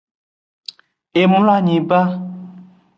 E mloanyi ba.